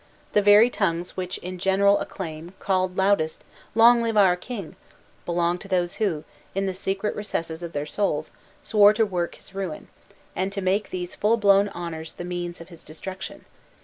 The very tongues which in general acclaim, called loudest, "Long live our king!" belonged to those who, in the secret recesses of their souls, swore to work his ruin, and to make these full blown honors the means of his destruction.